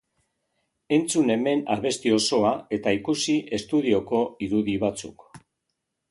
Entzun hemen abesti osoa eta ikusi estudioko irudi batzuk.